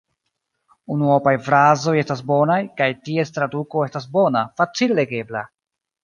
Unuopaj frazoj estas bonaj, kaj ties traduko estas bona, facile legebla.